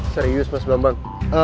serius mas bambang